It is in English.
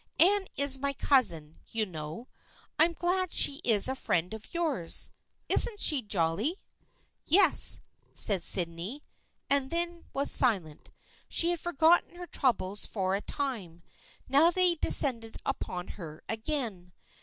Anne is my cousin, you know. I'm glad she's a friend of yours. Isn't she jolly ?"" Yes," said Sydney, and then was silent. She had forgotten her troubles for a time. Now they descended upon her again.